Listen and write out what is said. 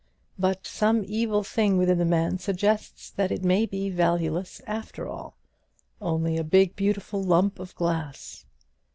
But some evil thing within the man suggests that it may be valueless after all only a big beautiful lump of glass.